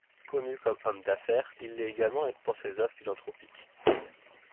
Connu comme homme d'affaires, il l'est également pour ses œuvres philanthropiques.